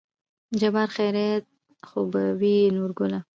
جبار : خېرت خو به وي نورګله